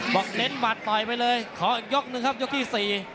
เน้นหมัดต่อยไปเลยขออีกยกหนึ่งครับยกที่๔